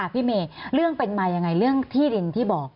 พี่เมย์เรื่องเป็นมายังไงเรื่องที่ดินที่บอก